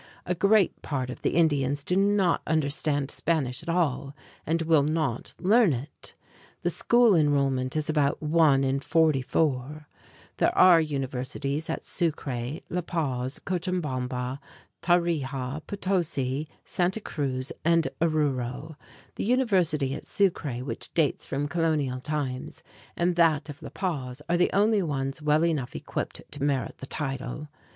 A great part of the Indians do not understand Spanish at all and will not learn it. The school enrollment is about one in forty four. There are universities at Sucre, La Paz, Cochabamba, Tarija (tah ree´ hah), Potosí (po to see´), Santa Cruz (san´ tah kroos), and Oruro. The university at Sucre, which dates from colonial times, and that of La Paz, are the only ones well enough equipped to merit the title.